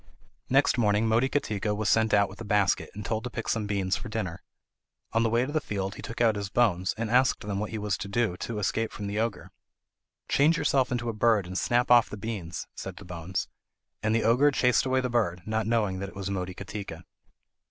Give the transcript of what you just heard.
Next morning Motikatika was sent out with a basket, and told to pick some beans for dinner. On the way to the field he took out his bones and asked them what he was to do to escape from the ogre. "Change yourself into a bird and snap off the beans," said the bones. And the ogre chased away the bird, not knowing that it was Motikatika.